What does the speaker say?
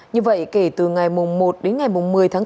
như vậy kể từ ngày mùng một đến ngày mùng một mươi tháng bốn